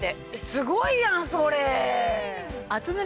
すごいやんそれ！